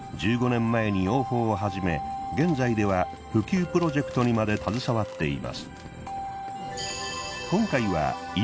１５年前に養蜂を始め現在では普及プロジェクトにまで携わっています。